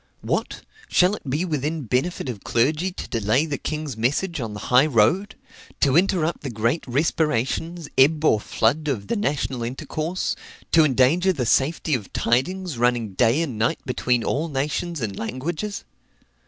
What! shall it be within benefit of clergy to delay the king's message on the high road? to interrupt the great respirations, ebb or flood, of the national intercourse to endanger the safety of tidings, running day and night between all nations and languages?